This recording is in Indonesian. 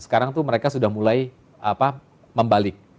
sekarang tuh mereka sudah mulai membalik